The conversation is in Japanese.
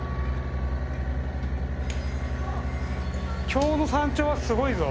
今日の山頂はすごいぞ。